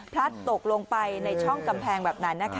พลัดตกลงไปในช่องกำแพงแบบนั้น